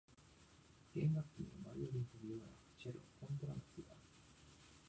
弦楽器にはバイオリンとビオラ、チェロ、コントラバスがある。